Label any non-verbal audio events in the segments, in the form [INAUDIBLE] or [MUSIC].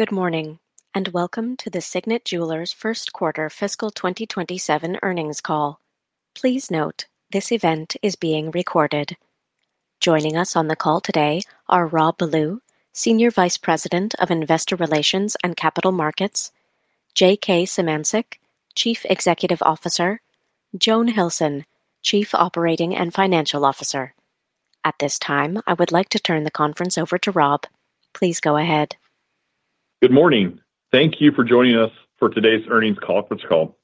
Good morning. Welcome to the Signet Jewelers first quarter fiscal 2027 earnings call. Please note, this event is being recorded. Joining us on the call today are Rob Ballew, Senior Vice President of Investor Relations and Capital Markets, J.K. Symancyk, Chief Executive Officer, Joan Hilson, Chief Operating and Financial Officer. At this time, I would like to turn the conference over to Rob. Please go ahead. Good morning. Thank you for joining us for today's earnings conference call.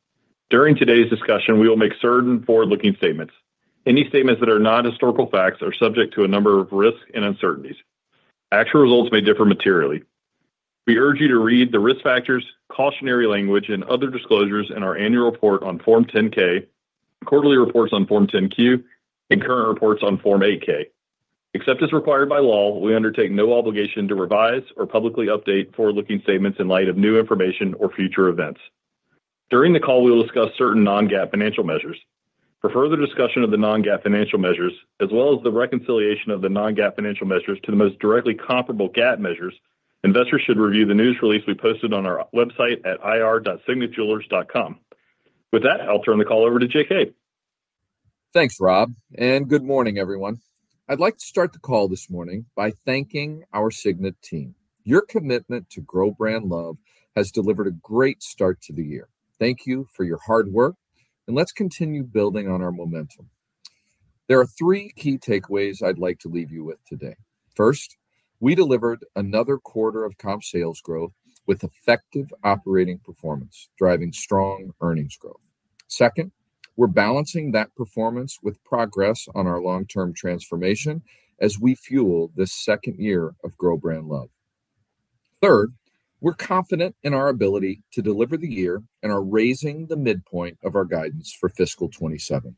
During today's discussion, we will make certain forward-looking statements. Any statements that are not historical facts are subject to a number of risks and uncertainties. Actual results may differ materially. We urge you to read the risk factors, cautionary language, and other disclosures in our annual report on Form 10-K, quarterly reports on Form 10-Q, and current reports on Form 8-K. Except as required by law, we undertake no obligation to revise or publicly update forward-looking statements in light of new information or future events. During the call, we will discuss certain non-GAAP financial measures. For further discussion of the non-GAAP financial measures, as well as the reconciliation of the non-GAAP financial measures to the most directly comparable GAAP measures, investors should review the news release we posted on our website at ir.signetjewelers.com. With that, I'll turn the call over to J.K. Thanks, Rob. Good morning, everyone. I'd like to start the call this morning by thanking our Signet team. Your commitment to Grow Brand Love has delivered a great start to the year. Thank you for your hard work, and let's continue building on our momentum. There are three key takeaways I'd like to leave you with today. First, we delivered another quarter of comp sales growth with effective operating performance, driving strong earnings growth. Second, we're balancing that performance with progress on our long-term transformation as we fuel this second year of Grow Brand Love. Third, we're confident in our ability to deliver the year and are raising the midpoint of our guidance for fiscal 2027.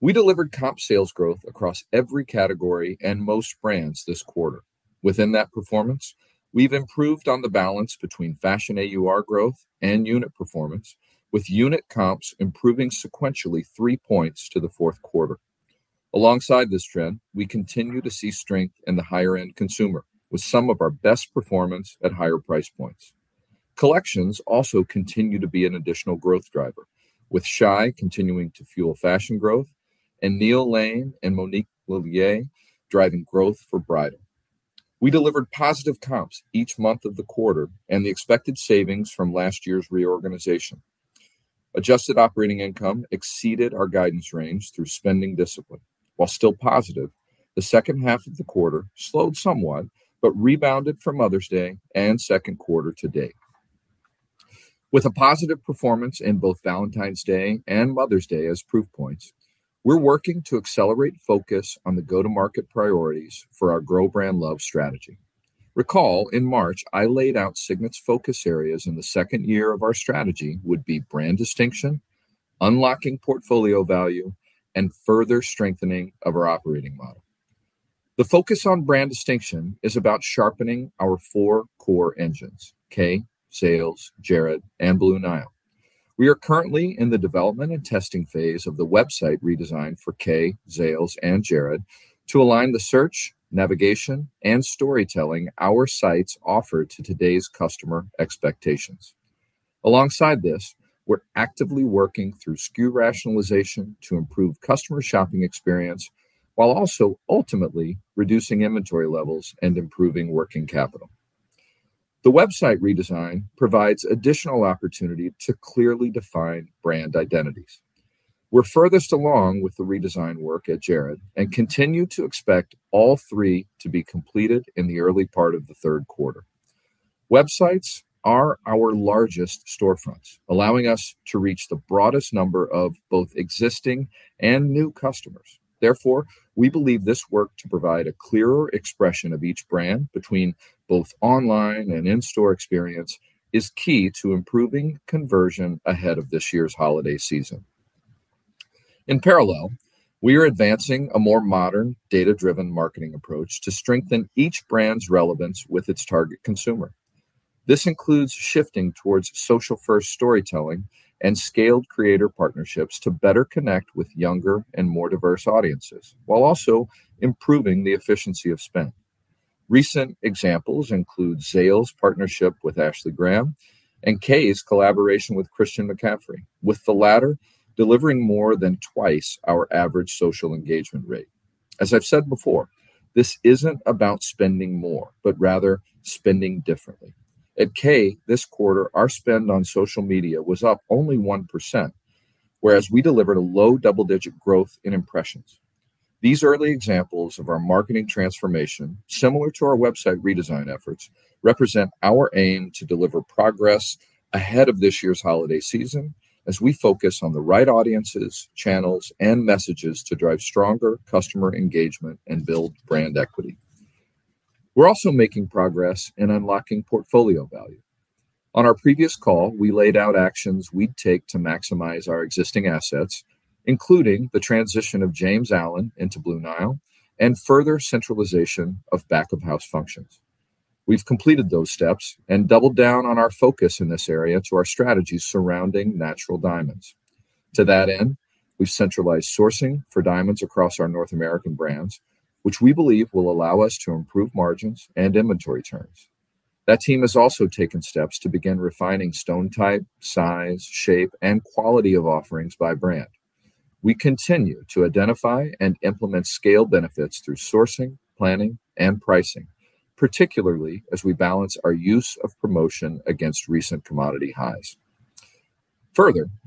We delivered comp sales growth across every category and most brands this quarter. Within that performance, we've improved on the balance between fashion AUR growth and unit performance, with unit comps improving sequentially three points to the fourth quarter. Alongside this trend, we continue to see strength in the higher-end consumer, with some of our best performance at higher price points. Collections also continue to be an additional growth driver, with Shy continuing to fuel fashion growth, and Neil Lane and Monique Lhuillier driving growth for bridal. We delivered positive comps each month of the quarter and the expected savings from last year's reorganization. Adjusted operating income exceeded our guidance range through spending discipline. While still positive, the second half of the quarter slowed somewhat but rebounded for Mother's Day and second quarter to date. With a positive performance in both Valentine's Day and Mother's Day as proof points, we're working to accelerate focus on the go-to-market priorities for our Grow Brand Love strategy. Recall, in March, I laid out Signet's focus areas in the second year of our strategy would be brand distinction, unlocking portfolio value, and further strengthening of our operating model. The focus on brand distinction is about sharpening our four core engines, Kay, Zales, Jared, and Blue Nile. We are currently in the development and testing phase of the website redesign for Kay, Zales, and Jared to align the search, navigation, and storytelling our sites offer to today's customer expectations. Alongside this, we're actively working through SKU rationalization to improve customer shopping experience while also ultimately reducing inventory levels and improving working capital. The website redesign provides additional opportunity to clearly define brand identities. We're furthest along with the redesign work at Jared and continue to expect all three to be completed in the early part of the third quarter. Websites are our largest storefronts, allowing us to reach the broadest number of both existing and new customers. Therefore, we believe this work to provide a clearer expression of each brand between both online and in-store experience is key to improving conversion ahead of this year's holiday season. In parallel, we are advancing a more modern, data-driven marketing approach to strengthen each brand's relevance with its target consumer. This includes shifting towards social-first storytelling and scaled creator partnerships to better connect with younger and more diverse audiences, while also improving the efficiency of spend. Recent examples include Zales' partnership with Ashley Graham and Kay's collaboration with Christian McCaffrey, with the latter delivering more than twice our average social engagement rate. As I've said before, this isn't about spending more, but rather spending differently. At Kay this quarter, our spend on social media was up only 1%, whereas we delivered a low double-digit growth in impressions. These early examples of our marketing transformation, similar to our website redesign efforts, represent our aim to deliver progress ahead of this year's holiday season as we focus on the right audiences, channels, and messages to drive stronger customer engagement and build brand equity. We're also making progress in unlocking portfolio value. On our previous call, we laid out actions we'd take to maximize our existing assets, including the transition of James Allen into Blue Nile and further centralization of back-of-house functions. We've completed those steps and doubled down on our focus in this area to our strategies surrounding natural diamonds. To that end, we've centralized sourcing for diamonds across our North American brands, which we believe will allow us to improve margins and inventory turns. That team has also taken steps to begin refining stone type, size, shape, and quality of offerings by brand. We continue to identify and implement scale benefits through sourcing, planning, and pricing, particularly as we balance our use of promotion against recent commodity highs.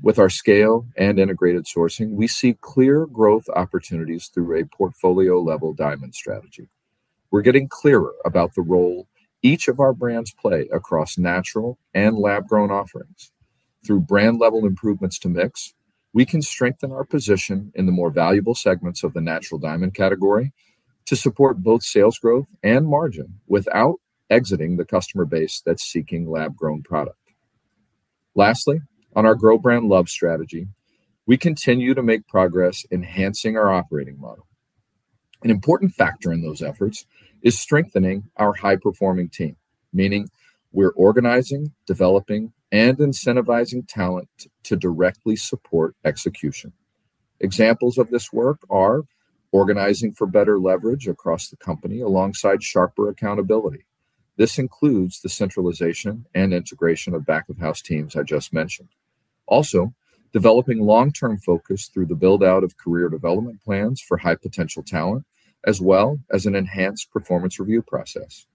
With our scale and integrated sourcing, we see clear growth opportunities through a portfolio-level diamond strategy. We're getting clearer about the role each of our brands play across natural and lab-grown offerings. Through brand-level improvements to mix, we can strengthen our position in the more valuable segments of the natural diamond category to support both sales growth and margin without exiting the customer base that's seeking lab-grown product. Lastly, on our Grow Brand Love strategy, we continue to make progress enhancing our operating model. An important factor in those efforts is strengthening our high-performing team, meaning we're organizing, developing, and incentivizing talent to directly support execution. Examples of this work are organizing for better leverage across the company, alongside sharper accountability. This includes the centralization and integration of back-of-house teams I just mentioned. Developing long-term focus through the build-out of career development plans for high-potential talent, as well as an enhanced performance review process.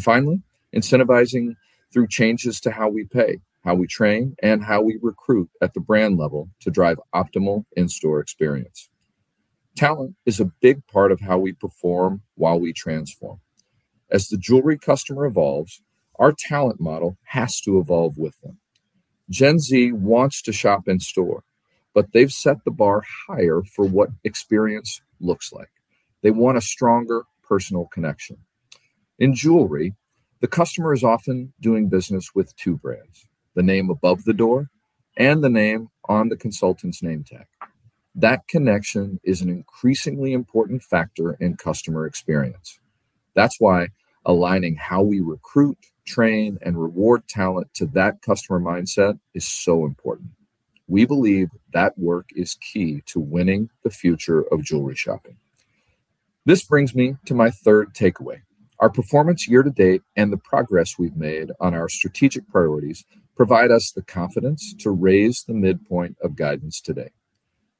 Finally, incentivizing through changes to how we pay, how we train, and how we recruit at the brand level to drive optimal in-store experience. Talent is a big part of how we perform while we transform. As the jewelry customer evolves, our talent model has to evolve with them. Gen Z wants to shop in store, but they've set the bar higher for what experience looks like. They want a stronger personal connection. In jewelry, the customer is often doing business with two brands, the name above the door and the name on the consultant's name tag. That connection is an increasingly important factor in customer experience. That's why aligning how we recruit, train, and reward talent to that customer mindset is so important. We believe that work is key to winning the future of jewelry shopping. This brings me to my third takeaway. Our performance year-to-date and the progress we've made on our strategic priorities provide us the confidence to raise the midpoint of guidance today.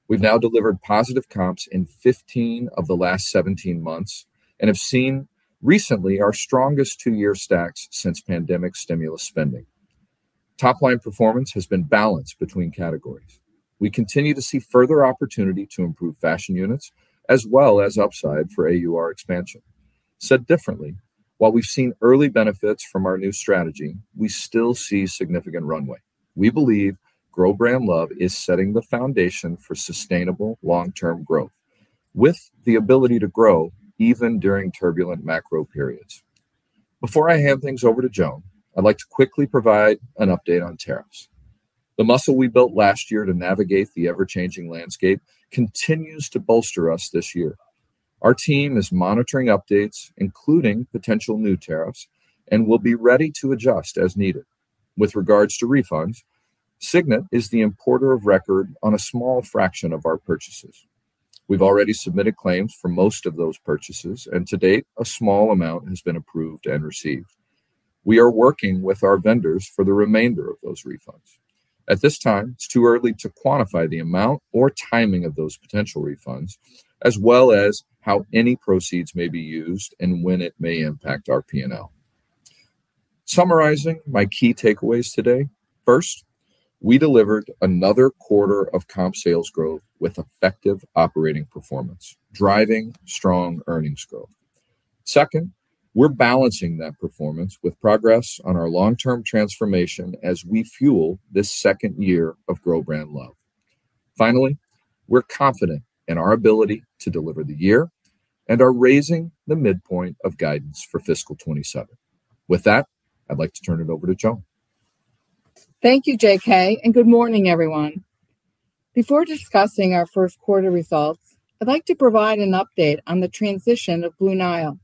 We've now delivered positive comp sales in 15 of the last 17 months, and have seen recently our strongest two-year stacks since pandemic stimulus spending. Top-line performance has been balanced between categories. We continue to see further opportunity to improve fashion units, as well as upside for AUR expansion. Said differently, while we've seen early benefits from our new strategy, we still see significant runway. We believe Grow Brand Love is setting the foundation for sustainable long-term growth, with the ability to grow even during turbulent macro periods. Before I hand things over to Joan, I'd like to quickly provide an update on tariffs. The muscle we built last year to navigate the ever-changing landscape continues to bolster us this year. Our team is monitoring updates, including potential new tariffs, and will be ready to adjust as needed. With regards to refunds, Signet is the importer of record on a small fraction of our purchases. We've already submitted claims for most of those purchases, and to date, a small amount has been approved and received. We are working with our vendors for the remainder of those refunds. At this time, it's too early to quantify the amount or timing of those potential refunds, as well as how any proceeds may be used and when it may impact our P&L. Summarizing my key takeaways today. First, we delivered another quarter of comp sales growth with effective operating performance, driving strong earnings growth. Second, we're balancing that performance with progress on our long-term transformation as we fuel this second year of Grow Brand Love. Finally, we're confident in our ability to deliver the year and are raising the midpoint of guidance for fiscal 2027. With that, I'd like to turn it over to Joan. Thank you, J.K., and good morning, everyone. Before discussing our first quarter results, I'd like to provide an update on the transition of Blue Nile.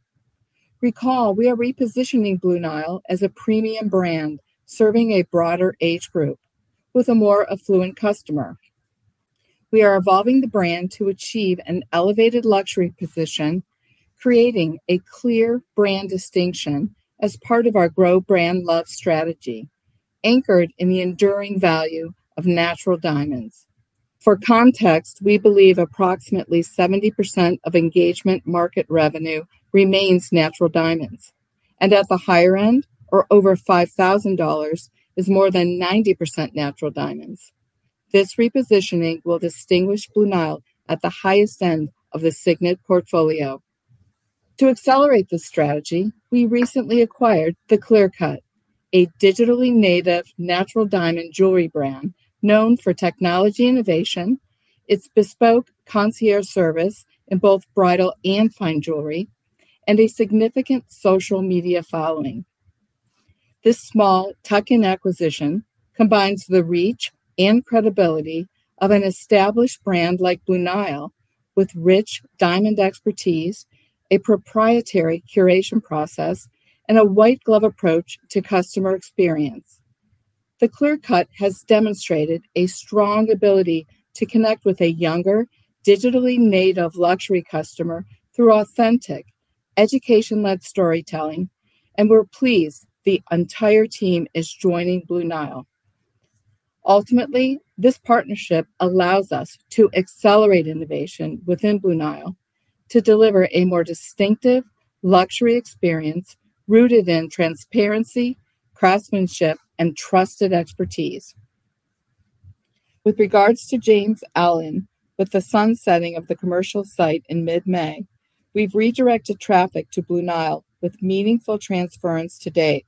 Recall, we are repositioning Blue Nile as a premium brand, serving a broader age group with a more affluent customer. We are evolving the brand to achieve an elevated luxury position, creating a clear brand distinction as part of our Grow Brand Love strategy, anchored in the enduring value of natural diamonds. For context, we believe approximately 70% of engagement market revenue remains natural diamonds, and at the higher end, or over $5,000, is more than 90% natural diamonds. This repositioning will distinguish Blue Nile at the highest end of the Signet portfolio. To accelerate this strategy, we recently acquired The Clear Cut, a digitally native natural diamond jewelry brand known for technology innovation, its bespoke concierge service in both bridal and fine jewelry, and a significant social media following. This small tuck-in acquisition combines the reach and credibility of an established brand like Blue Nile with rich diamond expertise, a proprietary curation process, and a white-glove approach to customer experience. The Clear Cut has demonstrated a strong ability to connect with a younger, digitally native luxury customer through authentic, education-led storytelling, and we're pleased the entire team is joining Blue Nile. Ultimately, this partnership allows us to accelerate innovation within Blue Nile to deliver a more distinctive luxury experience rooted in transparency, craftsmanship, and trusted expertise. With regards to James Allen, with the sunsetting of the commercial site in mid-May, we've redirected traffic to Blue Nile with meaningful transference to date.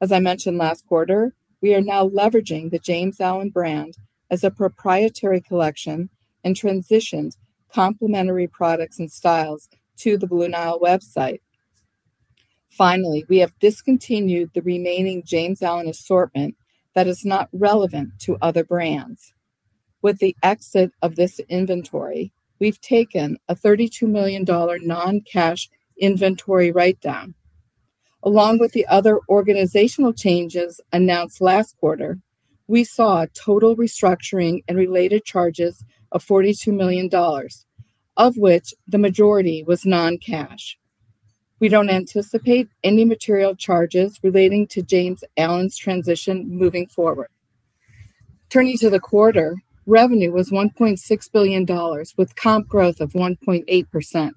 As I mentioned last quarter, we are now leveraging the James Allen brand as a proprietary collection and transitioned complementary products and styles to the Blue Nile website. We have discontinued the remaining James Allen assortment that is not relevant to other brands. With the exit of this inventory, we've taken a $32 million non-cash inventory write-down. Along with the other organizational changes announced last quarter, we saw total restructuring and related charges of $42 million, of which the majority was non-cash. We don't anticipate any material charges relating to James Allen's transition moving forward. Turning to the quarter, revenue was $1.6 billion with comp growth of 1.8%.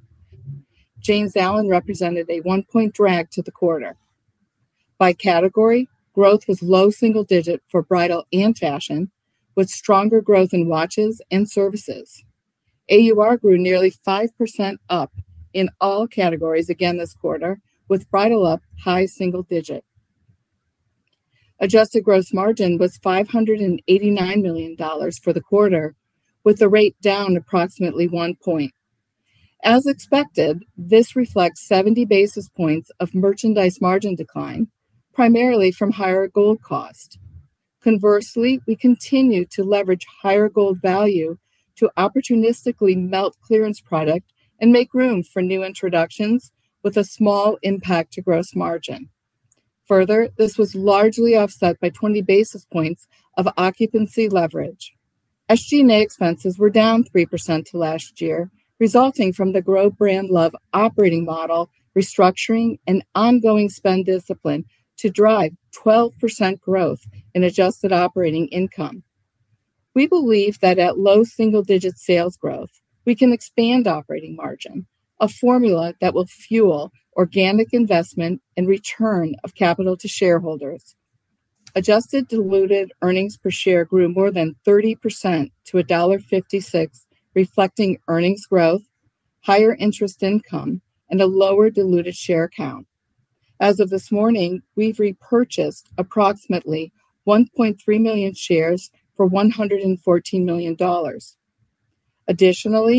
James Allen represented a one-point drag to the quarter. By category, growth was low single-digit for bridal and fashion, with stronger growth in watches and services. AUR grew nearly 5% up in all categories again this quarter, with bridal up high single-digit. Adjusted gross margin was $589 million for the quarter, with the rate down approximately one point. As expected, this reflects 70 basis points of merchandise margin decline, primarily from higher gold cost. Conversely, we continue to leverage higher gold value to opportunistically melt clearance product and make room for new introductions with a small impact to gross margin. This was largely offset by 20 basis points of occupancy leverage. SG&A expenses were down 3% to last year, resulting from the Grow Brand Love operating model restructuring an ongoing spend discipline to drive 12% growth in adjusted operating income. We believe that at low single-digit sales growth, we can expand operating margin, a formula that will fuel organic investment and return of capital to shareholders. Adjusted diluted earnings per share grew more than 30% to $1.56, reflecting earnings growth, higher interest income, and a lower diluted share count. As of this morning, we've repurchased approximately 1.3 million shares for $114 million. Our intent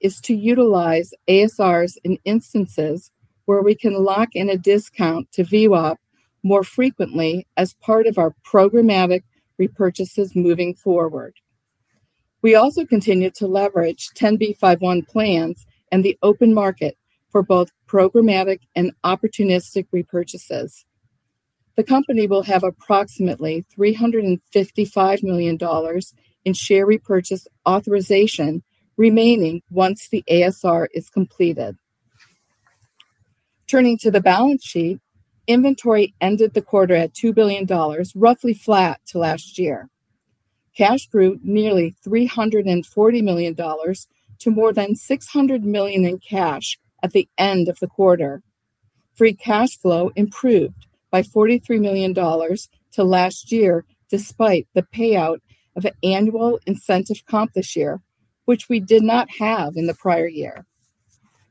is to utilize ASRs in instances where we can lock in a discount to VWAP more frequently as part of our programmatic repurchases moving forward. We also continue to leverage 10b5-1 plans and the open market for both programmatic and opportunistic repurchases. The company will have approximately $355 million in share repurchase authorization remaining once the ASR is completed. Turning to the balance sheet, inventory ended the quarter at $2 billion, roughly flat to last year. Cash grew nearly $340 million to more than $600 million in cash at the end of the quarter. Free cash flow improved by $43 million to last year, despite the payout of annual incentive comp this year, which we did not have in the prior year.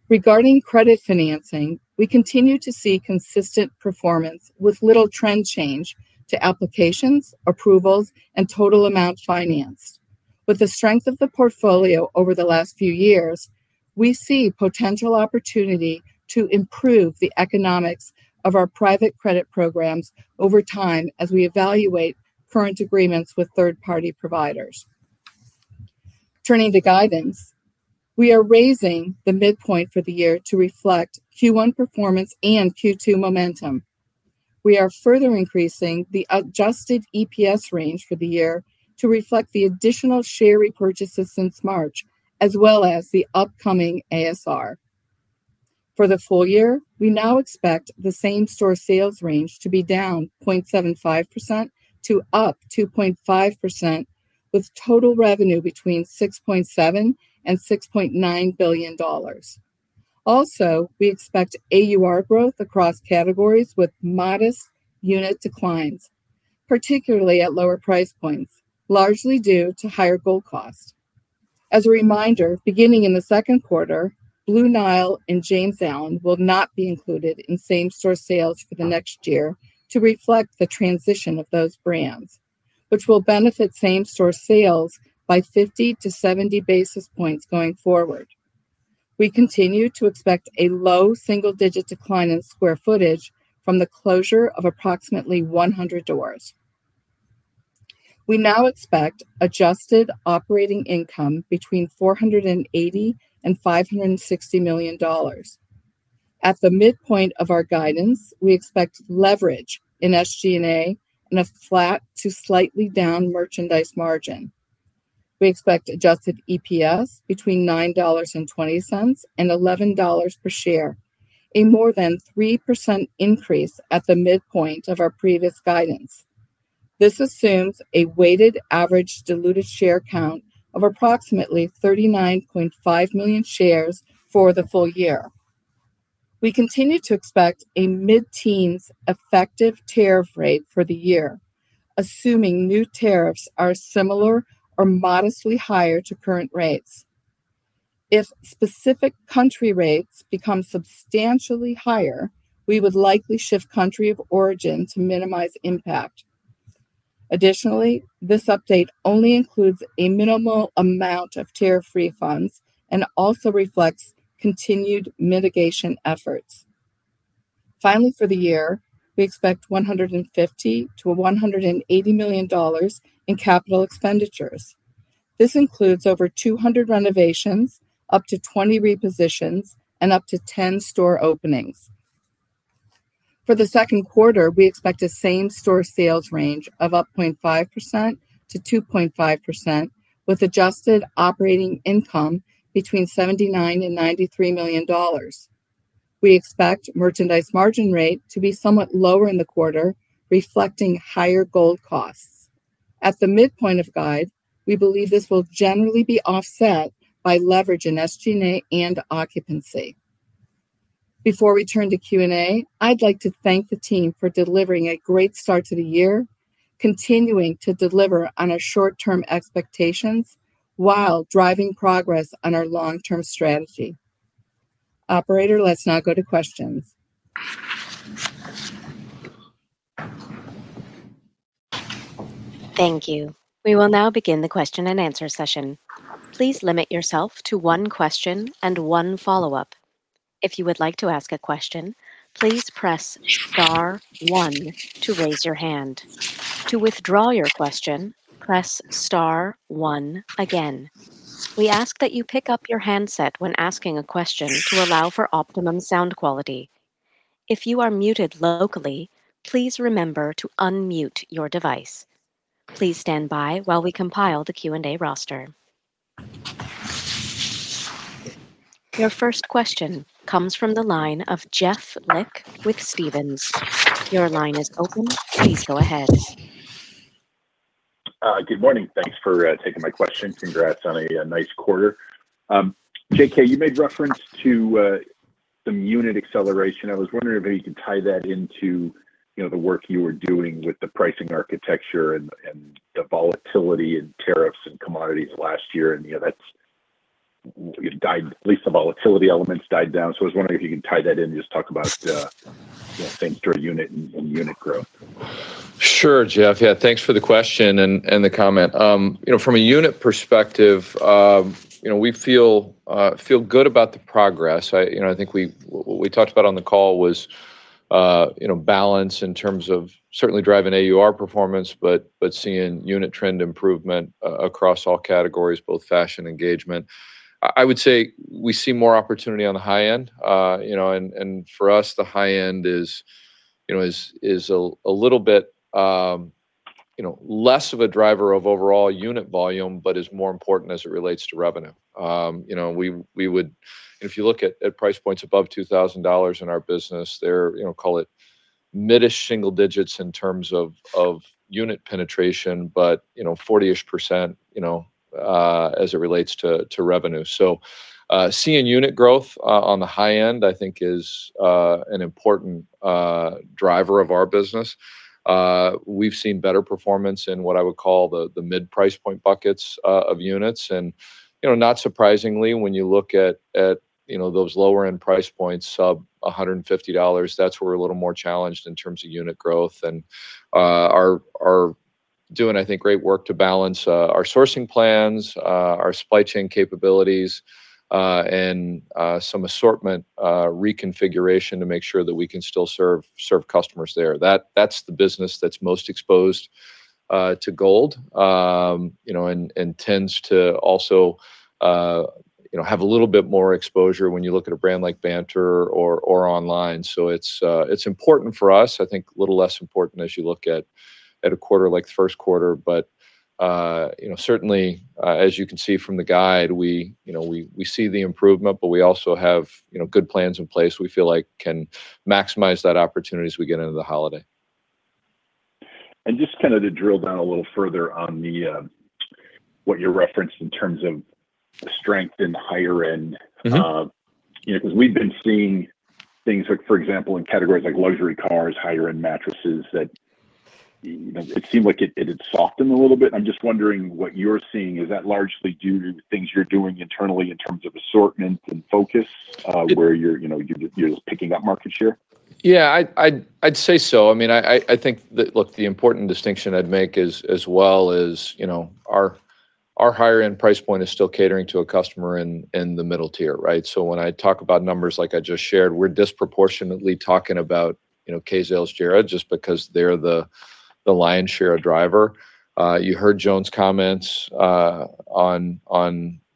Regarding credit financing, we continue to see consistent performance with little trend change to applications, approvals, and total amount financed. With the strength of the portfolio over the last few years, we see potential opportunity to improve the economics of our private credit programs over time as we evaluate current agreements with third-party providers. Turning to guidance, we are raising the midpoint for the year to reflect Q1 performance and Q2 momentum. We are further increasing the adjusted EPS range for the year to reflect the additional share repurchases since March, as well as the upcoming ASR. For the full year, we now expect the same-store sales range to be down 0.75% to up 2.5%, with total revenue between $6.7 billion and $6.9 billion. We expect AUR growth across categories with modest unit declines, particularly at lower price points, largely due to higher gold cost. As a reminder, beginning in the second quarter, Blue Nile and James Allen will not be included in same-store sales for the next year to reflect the transition of those brands, which will benefit same-store sales by 50 to 70 basis points going forward. We continue to expect a low single-digit decline in square footage from the closure of approximately 100 doors. We now expect adjusted operating income between $480 million and $560 million. At the midpoint of our guidance, we expect leverage in SG&A and a flat to slightly down merchandise margin. We expect adjusted EPS between $9.20 and $11 per share, a more than 3% increase at the midpoint of our previous guidance. This assumes a weighted average diluted share count of approximately 39.5 million shares for the full year. We continue to expect a mid-teens effective tariff rate for the year, assuming new tariffs are similar or modestly higher to current rates. If specific country rates become substantially higher, we would likely shift country of origin to minimize impact. Additionally, this update only includes a minimal amount of tariff refunds and also reflects continued mitigation efforts. Finally, for the year, we expect $150 million-$180 million in capital expenditures. This includes over 200 renovations, up to 20 repositions, and up to 10 store openings. For the second quarter, we expect a same-store sales range of up 0.5%-2.5%, with adjusted operating income between $79 million and $93 million. We expect merchandise margin rate to be somewhat lower in the quarter, reflecting higher gold costs. At the midpoint of guide, we believe this will generally be offset by leverage in SG&A and occupancy. Before we turn to Q&A, I'd like to thank the team for delivering a great start to the year, continuing to deliver on our short-term expectations while driving progress on our long-term strategy. Operator, let's now go to questions. Thank you. We will now begin the question and answer session. Please limit yourself to one question and one follow-up. If you would like to ask a question, please press star one to raise your hand. To withdraw your question, press star one again. We ask that you pick up your handset when asking a question to allow for optimum sound quality. If you are muted locally, please remember to unmute your device. Please stand by while we compile the Q&A roster. Your first question comes from the line of Jeff Lick with Stephens. Your line is open. Please go ahead. Good morning. Thanks for taking my question. Congrats on a nice quarter. J.K., you made reference to some unit acceleration. I was wondering if you could tie that into the work you were doing with the pricing architecture and the volatility in tariffs and commodities last year. At least the volatility elements died down. I was wondering if you can tie that in and just talk about same-store unit and unit growth. Sure, Jeff. Yeah, thanks for the question and the comment. From a unit perspective, we feel good about the progress. I think what we talked about on the call was balance in terms of certainly driving AUR performance, but seeing unit trend improvement across all categories, both fashion, engagement. I would say we see more opportunity on the high end. For us, the high end is a little bit less of a driver of overall unit volume, but is more important as it relates to revenue. If you look at price points above $2,000 in our business, they're call it mid-ish single digits in terms of unit penetration, but 40-ish% as it relates to revenue. Seeing unit growth on the high end, I think, is an important driver of our business. We've seen better performance in what I would call the mid-price point buckets of units. Not surprisingly, when you look at those lower-end price points, sub $150, that's where we're a little more challenged in terms of unit growth and are doing, I think, great work to balance our sourcing plans, our supply chain capabilities, and some assortment reconfiguration to make sure that we can still serve customers there. That's the business that's most exposed to gold, and tends to also have a little bit more exposure when you look at a brand like Banter or online. It's important for us. I think a little less important as you look at a quarter like the first quarter, Certainly, as you can see from the guide, we see the improvement, We also have good plans in place we feel like can maximize that opportunity as we get into the holiday. Just to drill down a little further on what you referenced in terms of strength in the higher end. We've been seeing things like, for example, in categories like luxury cars, higher end mattresses, that it seemed like it had softened a little bit. I'm just wondering what you're seeing. Is that largely due to things you're doing internally in terms of assortment and focus where you're just picking up market share? Yeah, I'd say so. Look, the important distinction I'd make as well is, our higher end price point is still catering to a customer in the middle tier. Right? When I talk about numbers like I just shared, we're disproportionately talking about Kay, Zales, Jared, just because they're the lion's share of driver. You heard Joan's comments on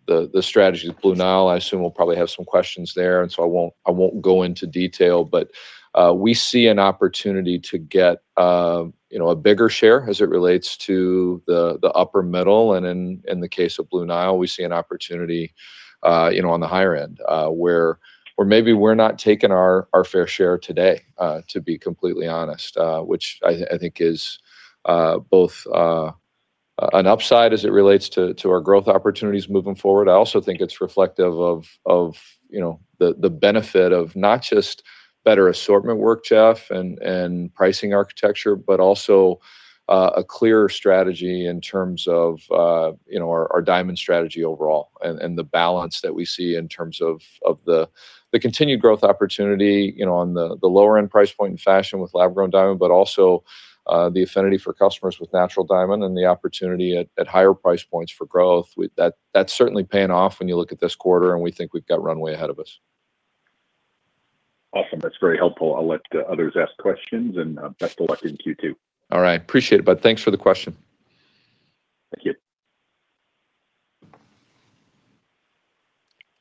the strategy with Blue Nile. I assume we'll probably have some questions there. I won't go into detail. We see an opportunity to get a bigger share as it relates to the upper middle. In the case of Blue Nile, we see an opportunity on the higher end, where maybe we're not taking our fair share today, to be completely honest. Which I think is both an upside as it relates to our growth opportunities moving forward. I also think it's reflective of the benefit of not just better assortment work, Jeff, and pricing architecture, but also a clearer strategy in terms of our diamond strategy overall. The balance that we see in terms of the continued growth opportunity on the lower end price point in fashion with lab-grown diamond, but also the affinity for customers with natural diamond and the opportunity at higher price points for growth. That's certainly paying off when you look at this quarter, and we think we've got runway ahead of us. Awesome. That's very helpful. I'll let others ask questions. Best of luck in Q2. All right. Appreciate it, bud. Thanks for the question. Thank you.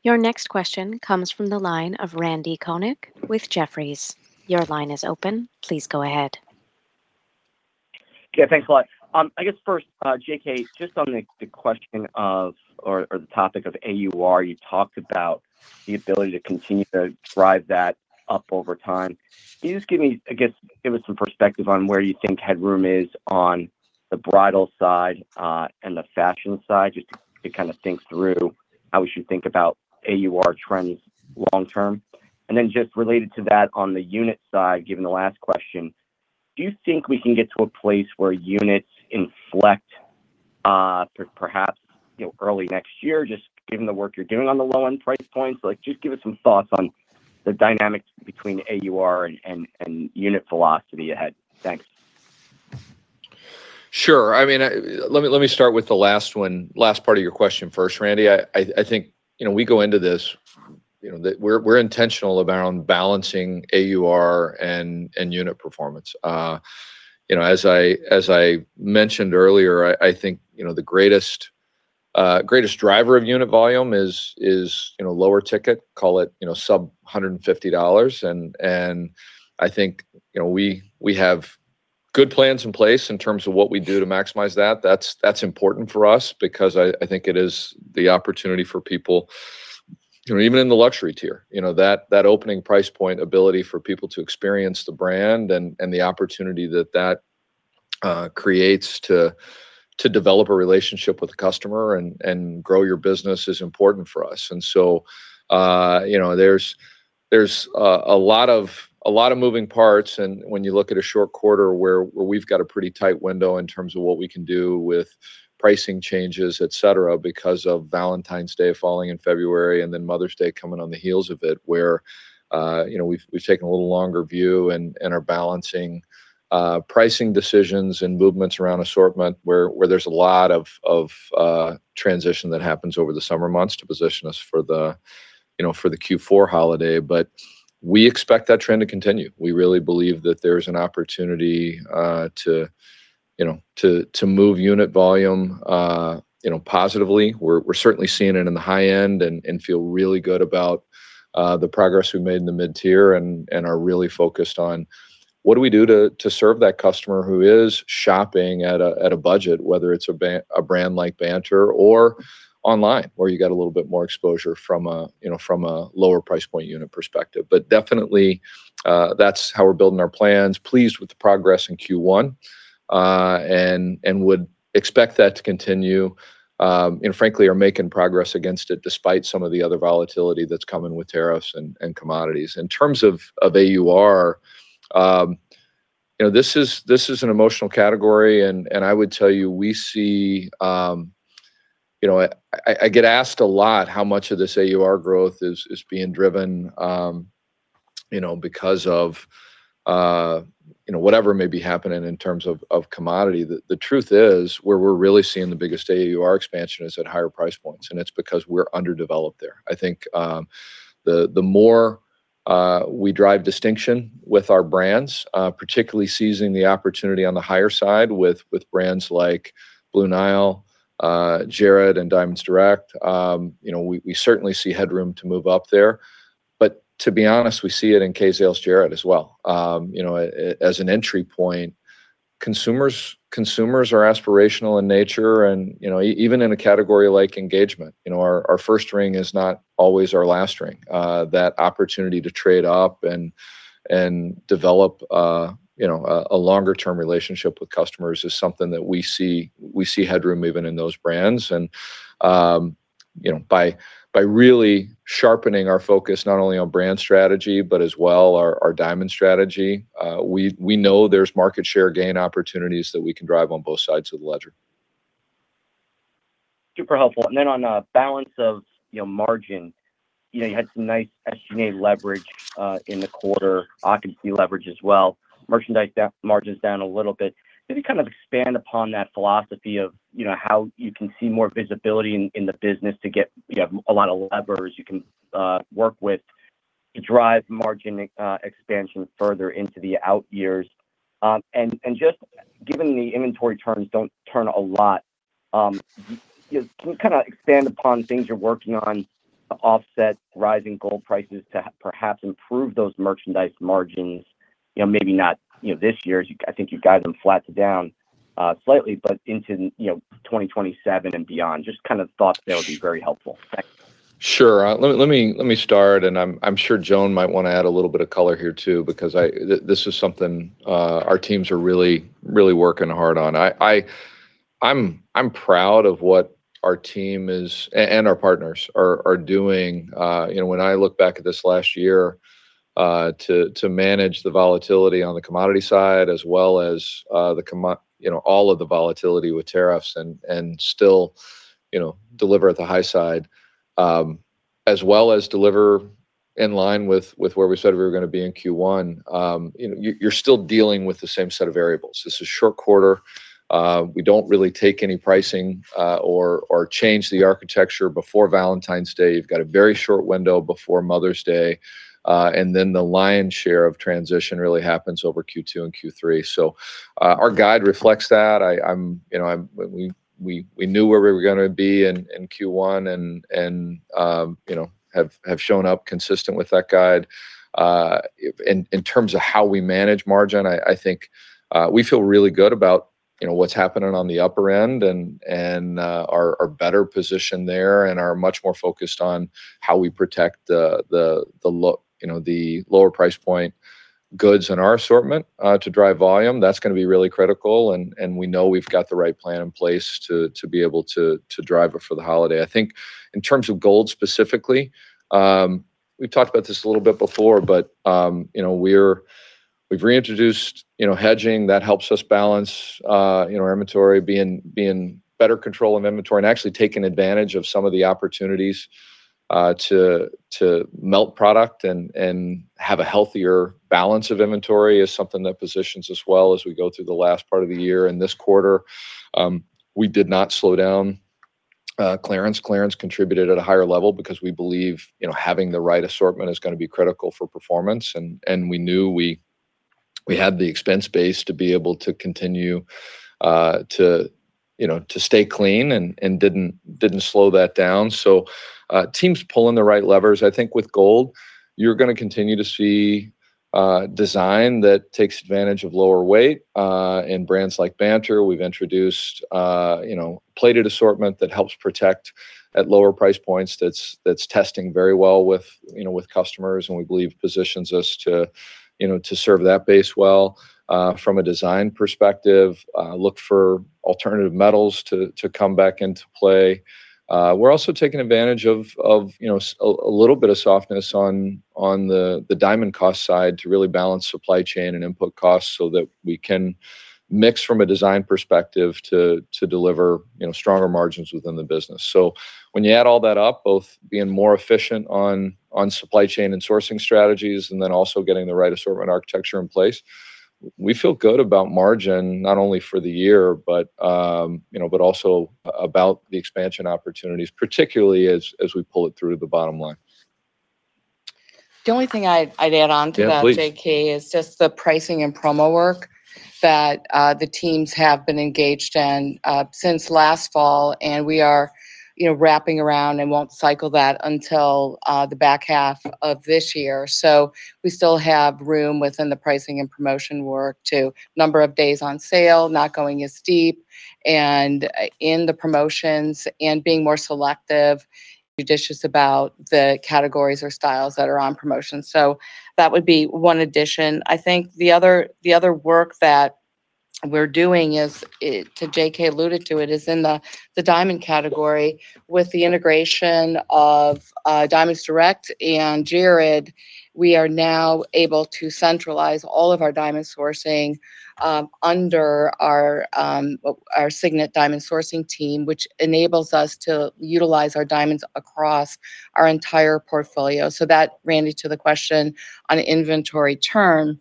Your next question comes from the line of Randy Konik with Jefferies. Your line is open. Please go ahead. Yeah, thanks a lot. I guess first, J.K., just on the question of, or the topic of AUR, you talked about the ability to continue to drive that up over time. Can you just give us some perspective on where you think headroom is on the bridal side and the fashion side, just to kind of think through how we should think about AUR trends long term? Then just related to that, on the unit side, given the last question, do you think we can get to a place where units inflect perhaps early next year, just given the work you're doing on the low-end price points? Just give us some thoughts on the dynamics between AUR and unit velocity ahead. Thanks. Sure. Let me start with the last one, last part of your question first, Randy. I think we're intentional around balancing AUR and unit performance. As I mentioned earlier, I think the greatest driver of unit volume is lower ticket, call it sub $150. I think we have good plans in place in terms of what we do to maximize that. That's important for us because I think it is the opportunity for people, even in the luxury tier. That opening price point ability for people to experience the brand and the opportunity that that creates to develop a relationship with the customer and grow your business is important for us. There's a lot of moving parts, and when you look at a short quarter where we've got a pretty tight window in terms of what we can do with pricing changes, et cetera, because of Valentine's Day falling in February and then Mother's Day coming on the heels of it. Where we've taken a little longer view and are balancing pricing decisions and movements around assortment, where there's a lot of transition that happens over the summer months to position us for the Q4 holiday. We expect that trend to continue. We really believe that there is an opportunity to move unit volume positively. We're certainly seeing it in the high end and feel really good about the progress we've made in the mid-tier, and are really focused on what do we do to serve that customer who is shopping at a budget, whether it's a brand like Banter or online, where you get a little bit more exposure from a lower price point unit perspective. Definitely, that's how we're building our plans. We are pleased with the progress in Q1, and we would expect that to continue. Frankly, we are making progress against it despite some of the other volatility that's coming with tariffs and commodities. In terms of AUR, this is an emotional category, and I would tell you, I get asked a lot how much of this AUR growth is being driven because of whatever may be happening in terms of commodity. The truth is, where we're really seeing the biggest AUR expansion is at higher price points, and it's because we're underdeveloped there. I think the more we drive distinction with our brands, particularly seizing the opportunity on the higher side with brands like Blue Nile, Jared, and Diamonds Direct, we certainly see headroom to move up there. To be honest, we see it in Kay, Zales, Jared as well. As an entry point, consumers are aspirational in nature, and even in a category like engagement, our first ring is not always our last ring. That opportunity to trade up and develop a longer-term relationship with customers is something that we see headroom even in those brands. By really sharpening our focus not only on brand strategy, but as well our diamond strategy, we know there's market share gain opportunities that we can drive on both sides of the ledger. Super helpful. On the balance of margin, you had some nice SG&A leverage in the quarter, occupancy leverage as well. Merchandise margins down a little bit. Can you expand upon that philosophy of how you can see more visibility in the business to get a lot of levers you can work with to drive margin expansion further into the out years? Just given the inventory turns don't turn a lot, can you expand upon things you're working on to offset rising gold prices to perhaps improve those merchandise margins? Maybe not this year, I think you've got them flat to down slightly, but into 2027 and beyond. Just thought that would be very helpful. Thanks. Sure. Let me start, and I'm sure Joan might want to add a little bit of color here too, because this is something our teams are really working hard on. I'm proud of what our team and our partners are doing. When I look back at this last year, to manage the volatility on the commodity side, as well as all of the volatility with tariffs and still deliver at the high side, as well as deliver in line with where we said we were going to be in Q1. You're still dealing with the same set of variables. This is a short quarter. We don't really take any pricing or change the architecture before Valentine's Day. You've got a very short window before Mother's Day. The lion's share of transition really happens over Q2 and Q3. Our guide reflects that. We knew where we were going to be in Q1 and have shown up consistent with that guide. In terms of how we manage margin, I think we feel really good about what's happening on the upper end, and are better positioned there and are much more focused on how we protect the lower price point goods in our assortment to drive volume. That's going to be really critical, and we know we've got the right plan in place to be able to drive it for the holiday. I think in terms of gold specifically, we've talked about this a little bit before, but we've reintroduced hedging that helps us balance our inventory, be in better control of inventory, and actually taking advantage of some of the opportunities to melt product and have a healthier balance of inventory is something that positions us well as we go through the last part of the year. This quarter, we did not slow down clearance. Clearance contributed at a higher level because we believe having the right assortment is going to be critical for performance, and we knew we had the expense base to be able to continue to stay clean and didn't slow that down. Team's pulling the right levers. I think with gold, you're going to continue to see design that takes advantage of lower weight. In brands like Banter, we've introduced a plated assortment that helps protect at lower price points that's testing very well with customers and we believe positions us to serve that base well. From a design perspective, look for alternative metals to come back into play. We're also taking advantage of a little bit of softness on the diamond cost side to really balance supply chain and input costs so that we can mix from a design perspective to deliver stronger margins within the business. When you add all that up, both being more efficient on supply chain and sourcing strategies, and then also getting the right assortment architecture in place, we feel good about margin, not only for the year, but also about the expansion opportunities, particularly as we pull it through to the bottom line. The only thing I'd add onto that. Yeah, please. J.K., is just the pricing and promo work that the teams have been engaged in since last fall. We are wrapping around and won't cycle that until the back half of this year. We still have room within the pricing and promotion work to number of days on sale, not going as deep, and in the promotions and being more selective, judicious about the categories or styles that are on promotion. That would be one addition. I think the other work that we're doing is, J.K. alluded to it, is in the diamond category with the integration of Diamonds Direct and Jared. We are now able to centralize all of our diamond sourcing under our Signet diamond sourcing team, which enables us to utilize our diamonds across our entire portfolio. That, Randy, to the question on inventory turn,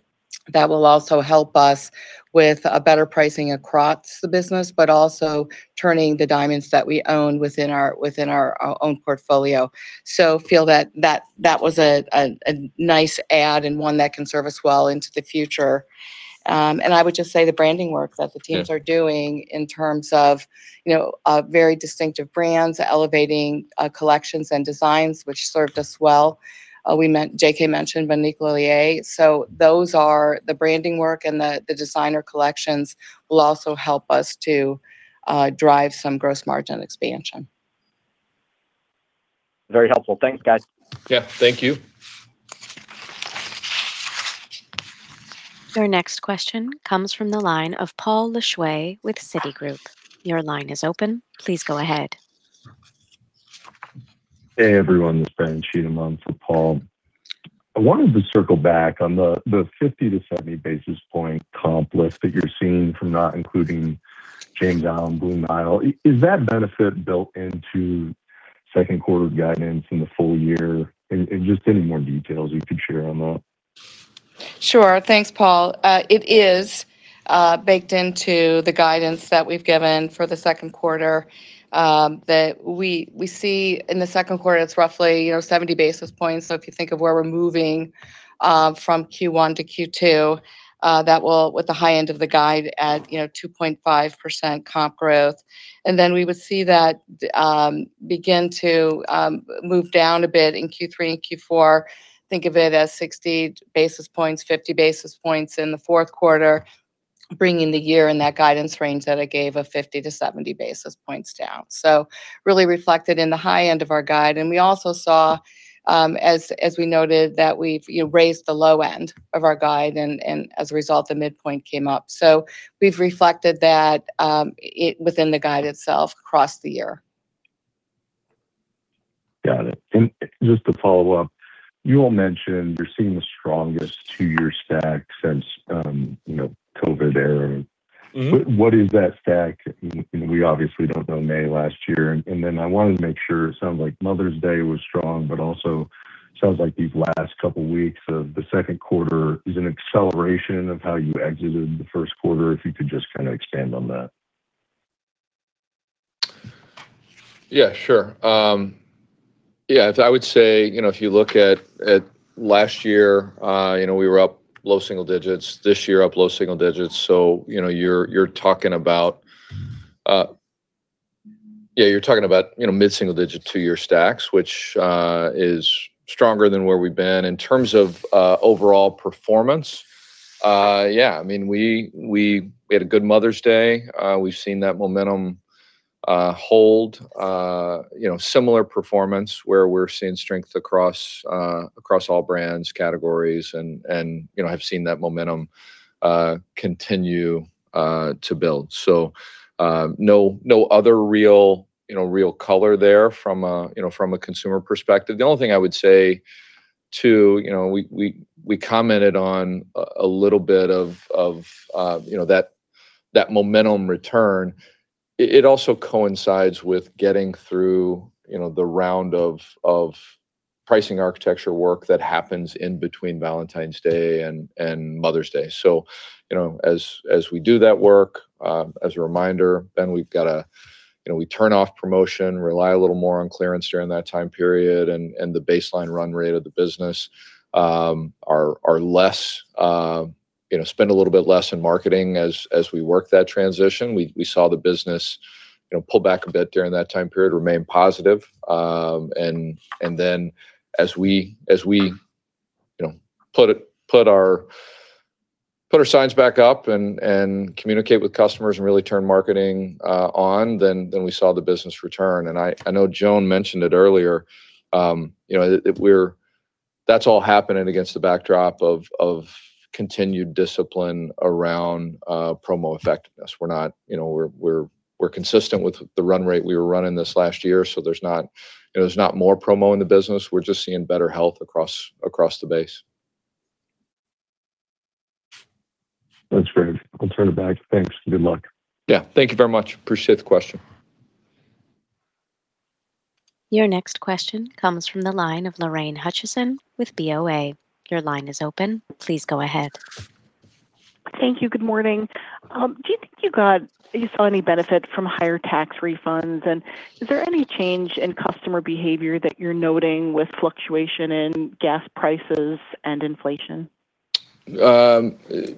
that will also help us with a better pricing across the business, but also turning the diamonds that we own within our own portfolio. Feel that was a nice add and one that can serve us well into the future. I would just say the branding work that the teams. Yeah are doing in terms of very distinctive brands, elevating collections and designs, which served us well. J.K. mentioned [Van Cleef & Arpels]. Those are the branding work and the designer collections will also help us to drive some gross margin expansion. Very helpful. Thanks, guys. Yeah. Thank you. Your next question comes from the line of Paul Lejuez with Citigroup. Your line is open. Please go ahead. Hey everyone, this is Ben [AUDIO DISTORTION] Paul. I wanted to circle back on the 50 to 70 basis point comp lift that you're seeing from not including James Allen, Blue Nile. Is that benefit built into second quarter guidance in the full year? Just any more details you could share on that. Sure. Thanks, Paul. It is baked into the guidance that we've given for the second quarter, that we see in the second quarter, it's roughly 70 basis points. If you think of where we're moving from Q1 to Q2, that will, with the high end of the guide at 2.5% comp growth. We would see that begin to move down a bit in Q3 and Q4. Think of it as 60 basis points, 50 basis points in the fourth quarter, bringing the year in that guidance range that I gave of 50-70 basis points down. Really reflected in the high end of our guide, and we also saw, as we noted, that we've raised the low end of our guide and as a result, the midpoint came up. We've reflected that within the guide itself across the year. Got it. Just to follow up, you all mentioned you're seeing the strongest two-year stack since COVID era. What is that stack? We obviously don't know May last year, and then I wanted to make sure, it sounds like Mother's Day was strong, but also sounds like these last couple weeks of the second quarter is an acceleration of how you exited the first quarter, if you could just kind of expand on that. I would say, if you look at last year, we were up low single digits. This year up low single digits, so you're talking about mid-single digit to two-year stacks, which is stronger than where we've been in terms of overall performance. I mean, we had a good Mother's Day. We've seen that momentum hold similar performance where we're seeing strength across all brands, categories, and have seen that momentum continue to build. No other real color there from a consumer perspective. The only thing I would say, too, we commented on a little bit of that momentum return. It also coincides with getting through the round of pricing architecture work that happens in between Valentine's Day and Mother's Day. As we do that work, as a reminder, Ben, we turn off promotion, rely a little more on clearance during that time period, and the baseline run rate of the business are less, spend a little bit less in marketing as we work that transition. We saw the business pull back a bit during that time period, remain positive. Then as we put our signs back up and communicate with customers and really turn marketing on, then we saw the business return. I know Joan mentioned it earlier, that's all happening against the backdrop of continued discipline around promo effectiveness. We're consistent with the run rate we were running this last year, so there's not more promo in the business. We're just seeing better health across the base. That's great. I'll turn it back. Thanks, and good luck. Yeah, thank you very much. Appreciate the question. Your next question comes from the line of Lorraine Hutchinson with BoA. Your line is open. Please go ahead. Thank you. Good morning. Do you think you saw any benefit from higher tax refunds? Is there any change in customer behavior that you're noting with fluctuation in gas prices and inflation?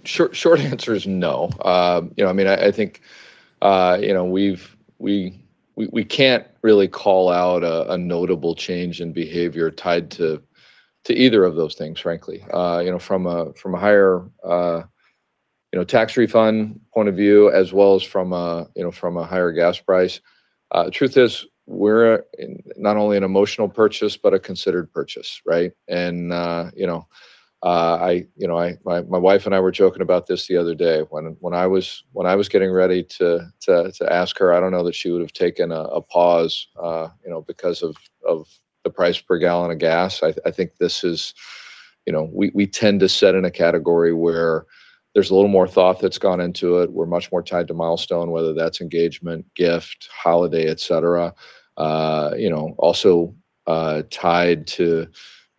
Short answer is no. I think we can't really call out a notable change in behavior tied to either of those things, frankly. From a higher tax refund point of view as well as from a higher gas price, the truth is, we're not only an emotional purchase but a considered purchase, right? My wife and I were joking about this the other day. When I was getting ready to ask her, I don't know that she would have taken a pause because of the price per gallon of gas. I think we tend to set in a category where there's a little more thought that's gone into it. We're much more tied to milestone, whether that's engagement, gift, holiday, et cetera. Also tied to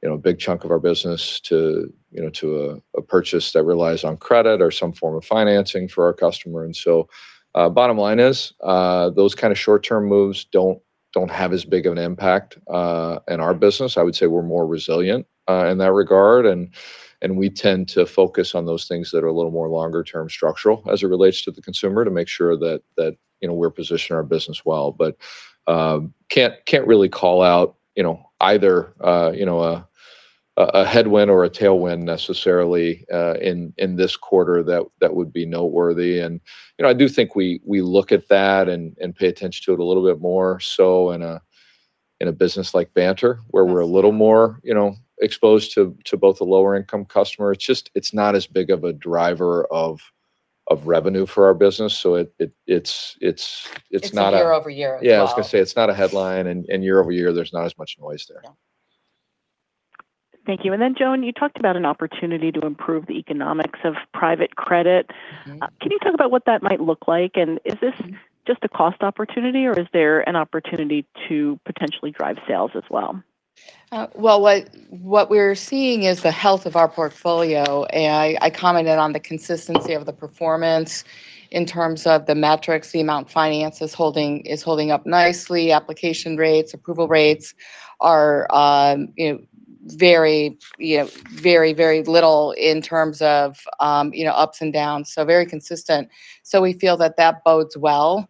a big chunk of our business to a purchase that relies on credit or some form of financing for our customer. Bottom line is, those kind of short-term moves don't have as big of an impact on our business. I would say we're more resilient in that regard, and we tend to focus on those things that are a little more longer term structural as it relates to the consumer to make sure that we're positioning our business well. Can't really call out either a headwind or a tailwind necessarily in this quarter that would be noteworthy. I do think we look at that and pay attention to it a little bit more. In a business like Banter, where we're a little more exposed to both the lower income customer, it's not as big of a driver of revenue for our business. It's a year-over-year as well. I was going to say, it's not a headline, and year-over-year, there's not as much noise there. No. Thank you. Joan, you talked about an opportunity to improve the economics of private credit. Can you talk about what that might look like? Is this just a cost opportunity, or is there an opportunity to potentially drive sales as well? Well, what we're seeing is the health of our portfolio. I commented on the consistency of the performance in terms of the metrics, the amount finance is holding up nicely. Application rates, approval rates are very little in terms of ups and downs, so very consistent. We feel that that bodes well,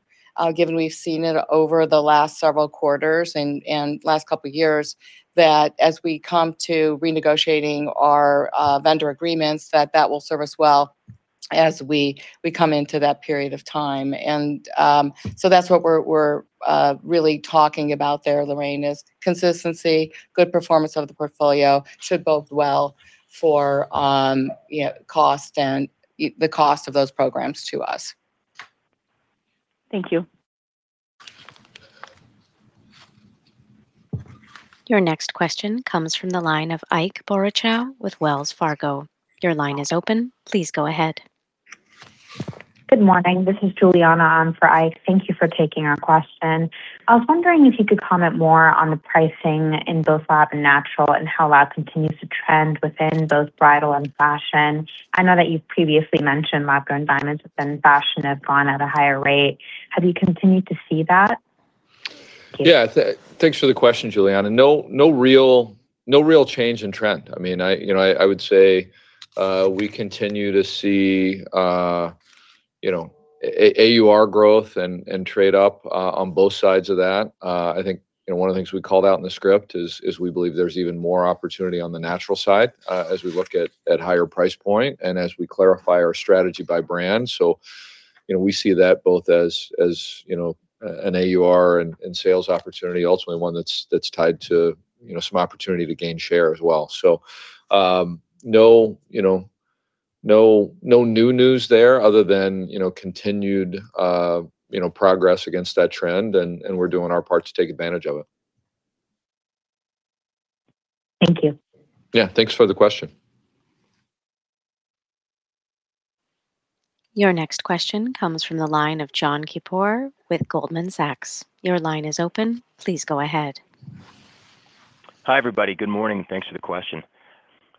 given we've seen it over the last several quarters and last couple of years, that as we come to renegotiating our vendor agreements, that that will serve us well as we come into that period of time. That's what we're really talking about there, Lorraine, is consistency, good performance of the portfolio should bode well for the cost of those programs to us. Thank you. Your next question comes from the line of Ike Boruchow with Wells Fargo. Your line is open. Please go ahead. Good morning. This is [Juliana] on for Ike. Thank you for taking our question. I was wondering if you could comment more on the pricing in both lab and natural, and how lab continues to trend within both bridal and fashion. I know that you've previously mentioned lab-grown diamonds within fashion have gone at a higher rate. Have you continued to see that? Thanks for the question, [Juliana]. No real change in trend. I would say we continue to see AUR growth and trade up on both sides of that. I think one of the things we called out in the script is we believe there's even more opportunity on the natural side as we look at higher price point and as we clarify our strategy by brand. We see that both as an AUR and sales opportunity, ultimately one that's tied to some opportunity to gain share as well. No new news there other than continued progress against that trend, and we're doing our part to take advantage of it. Thank you. Yeah, thanks for the question. Your next question comes from the line of Jon Keypour with Goldman Sachs. Your line is open. Please go ahead. Hi, everybody. Good morning. Thanks for the question.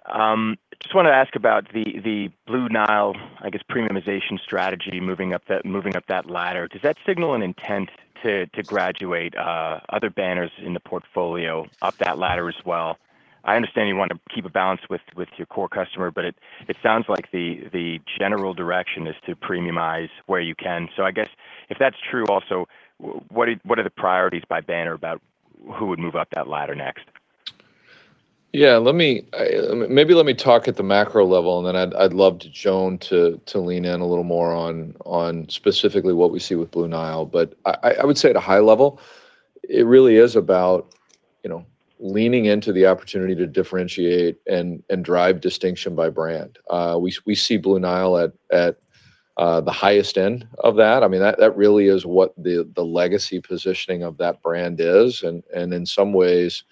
Just want to ask about the Blue Nile, I guess, premiumization strategy, moving up that ladder. Does that signal an intent to graduate other banners in the portfolio up that ladder as well? I understand you want to keep a balance with your core customer. It sounds like the general direction is to premiumize where you can. I guess if that's true also, what are the priorities by banner about who would move up that ladder next? Yeah. Maybe let me talk at the macro level, and then I'd love Joan to lean in a little more on specifically what we see with Blue Nile. I would say at a high level, it really is about leaning into the opportunity to differentiate and drive distinction by brand. We see Blue Nile at the highest end of that. That really is what the legacy positioning of that brand is, and in some ways,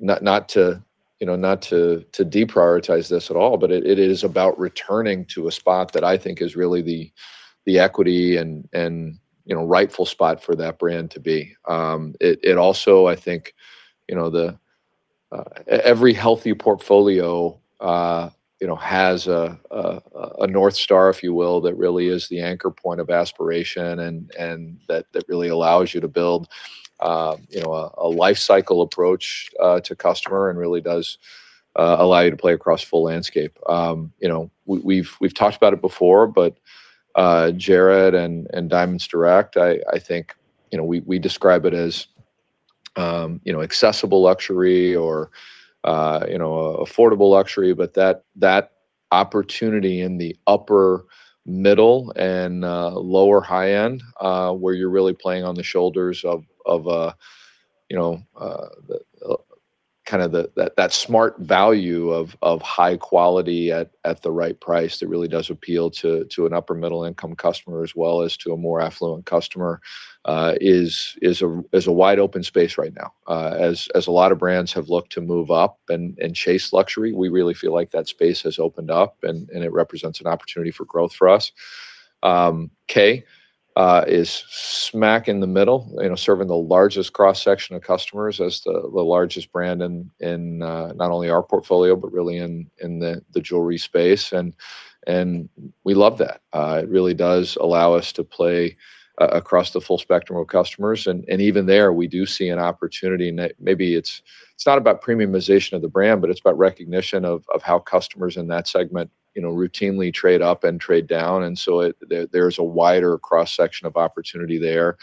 not to deprioritize this at all, but it is about returning to a spot that I think is really the equity and rightful spot for that brand to be. It also, I think every healthy portfolio has a North Star, if you will, that really is the anchor point of aspiration and that really allows you to build a life cycle approach to customer and really does allow you to play across full landscape. We've talked about it before, Jared and Diamonds Direct, I think we describe it as accessible luxury or affordable luxury. That opportunity in the upper middle and lower high end, where you're really playing on the shoulders of that smart value of high quality at the right price that really does appeal to an upper middle income customer as well as to a more affluent customer, is a wide open space right now. As a lot of brands have looked to move up and chase luxury, we really feel like that space has opened up and it represents an opportunity for growth for us. Kay is smack in the middle, serving the largest cross-section of customers as the largest brand in not only our portfolio, but really in the jewelry space, and we love that. It really does allow us to play across the full spectrum of customers. Even there, we do see an opportunity, and maybe it's not about premiumization of the brand, but it's about recognition of how customers in that segment routinely trade up and trade down. There's a wider cross-section of opportunity there.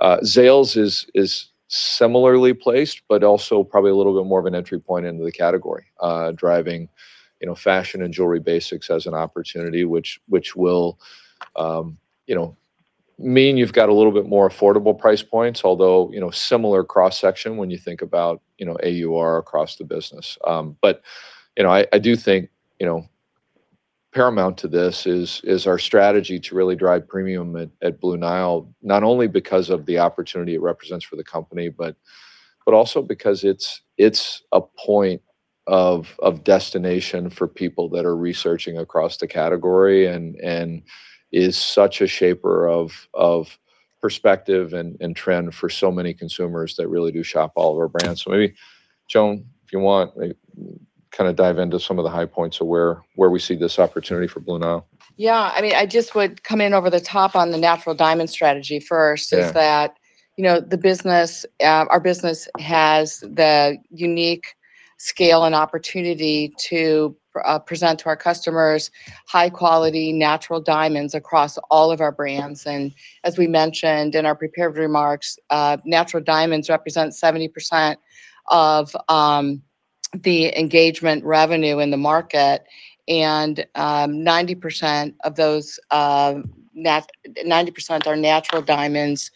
Zales is similarly placed, but also probably a little bit more of an entry point into the category, driving fashion and jewelry basics as an opportunity, which will mean you've got a little bit more affordable price points, although similar cross-section when you think about AUR across the business. I do think paramount to this is our strategy to really drive premium at Blue Nile, not only because of the opportunity it represents for the company, but also because it's a point of destination for people that are researching across the category and is such a shaper of perspective and trend for so many consumers that really do shop all of our brands. Maybe, Joan, if you want, kind of dive into some of the high points of where we see this opportunity for Blue Nile. Yeah. I just would come in over the top on the natural diamond strategy first. Yeah is that our business has the unique scale and opportunity to present to our customers high-quality, natural diamonds across all of our brands. As we mentioned in our prepared remarks, natural diamonds represent 70% of the engagement revenue in the market, and 90% are natural diamonds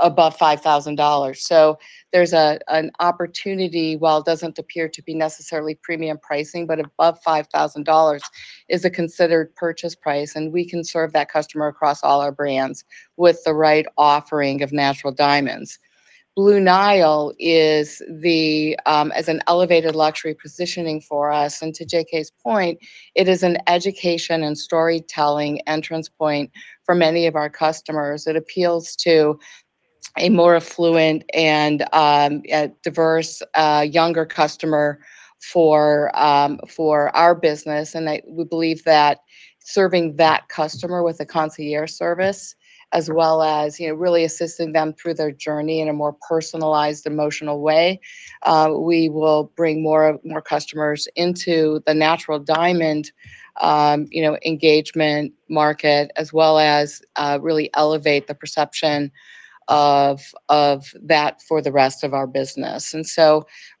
above $5,000. There's an opportunity. While it doesn't appear to be necessarily premium pricing, but above $5,000 is a considered purchase price, and we can serve that customer across all our brands with the right offering of natural diamonds. Blue Nile is an elevated luxury positioning for us, and to J.K.'s point, it is an education and storytelling entrance point for many of our customers. It appeals to a more affluent and a diverse, younger customer for our business, and we believe that serving that customer with a concierge service as well as really assisting them through their journey in a more personalized, emotional way, we will bring more of our customers into the natural diamond engagement market, as well as really elevate the perception of that for the rest of our business.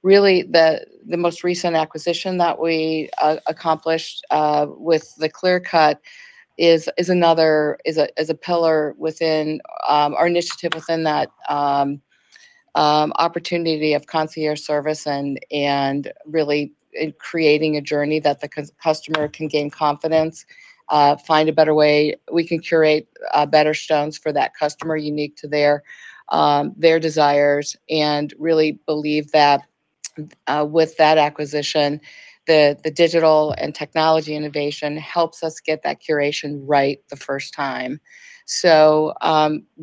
Really, the most recent acquisition that we accomplished with the Clear Cut is a pillar within our initiative within that opportunity of concierge service and really creating a journey that the customer can gain confidence, find a better way. We can curate better stones for that customer unique to their desires and really believe that with that acquisition, the digital and technology innovation helps us get that curation right the first time.